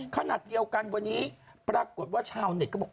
ขณะเดียวกันวันนี้ปรากฏว่าชาวเน็ตก็บอก